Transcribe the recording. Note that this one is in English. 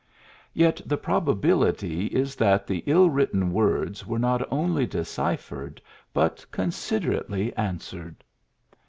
" Yet the probability is that the ill written words were not only de ciphered, but considerately answered.